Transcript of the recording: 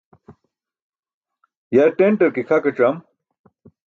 Yar ṭenṭar ke khakac̣am